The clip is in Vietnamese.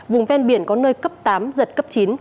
vùng ven biển có nơi cấp tám giật cấp chín